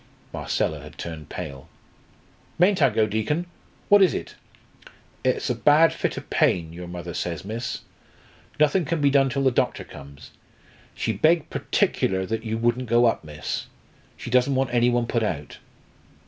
Marcella had turned pale. "Mayn't I go, Deacon? What is it?" "It's a bad fit of pain, your mother says, miss. Nothing can be done till the doctor comes. She begged particular that you wouldn't go up, miss. She doesn't want any one put out."